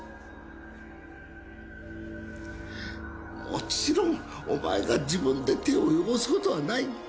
もちろんお前が自分で手を汚すことはない。